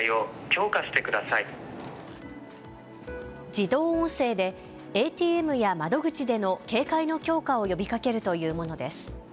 自動音声でＡＴＭや窓口での警戒の強化を呼びかけるというものです。